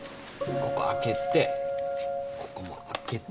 ここ開けてここも開けて。